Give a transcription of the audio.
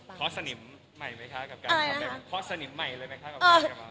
ข้อสนิมใหม่ไหมคะกับการทำแบบนั้นข้อสนิมใหม่เลยไหมคะกับการทำแบบนั้น